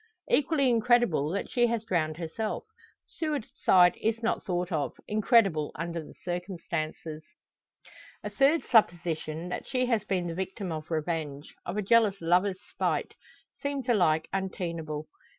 Equally incredible that she has drowned herself. Suicide is not thought of incredible under the circumstances. A third supposition, that she has been the victim of revenge of a jealous lover's spite seems alike untenable.